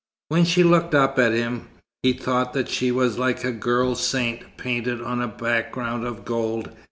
When she looked up at him, he thought that she was like a girl saint, painted on a background of gold.